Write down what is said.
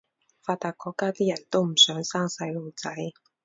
發達國家啲人都唔想生細路仔